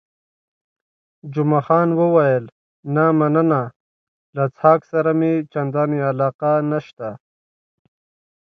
جمعه خان وویل، نه مننه، له څښاک سره مې چندانې علاقه نشته.